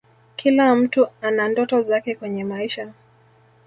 kila mtu ana ndoto zake kwenye maisha